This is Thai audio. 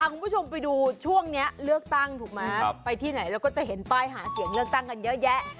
คุณผู้ชมไปดูช่วงนี้เลือกตั้งถูกไหมไปที่ไหนเราก็จะเห็นป้ายหาเสียงเลือกตั้งกันเยอะแยะ